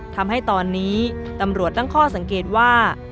ทำให้ตอนนี้ตำรวจตั้งข้อสังเกตว่า